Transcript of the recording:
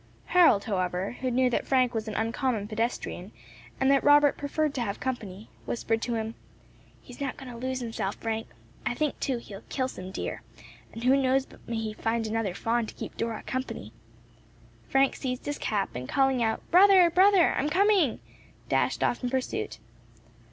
Harold, however, who knew that Frank was an uncommon pedestrian, and that Robert preferred to have company, whispered to him, "He is not going to lose himself, Frank. I think, too, he will kill some deer, and who knows but he may find another fawn to keep Dora company." Frank seized his cap, and calling out, "Brother! brother! I am coming!" dashed off in pursuit.